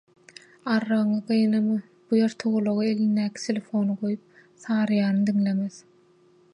Arrygyňy gynama, bu Ýer togalagy elindäki telefonuny goýup, «Saryýany» diňlemez...»